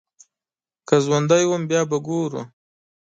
که ژوندی وم بيا به ګورو.